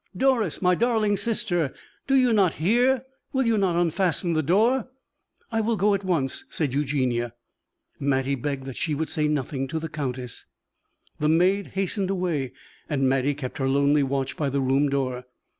Doris, my darling sister, do you not hear? Will you not unfasten the door!" "I will go at once," said Eugenie. Mattie begged that she would say nothing to the countess. The maid hastened away and Mattie kept her lonely watch by the room door.